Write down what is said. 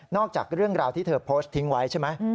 จากเรื่องราวที่เธอโพสต์ทิ้งไว้ใช่ไหม